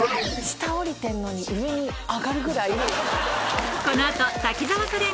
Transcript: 下降りてるのに上に上がるぐらい。